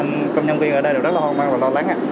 công nhân viên ở đây đều rất là hoang mang và lo lắng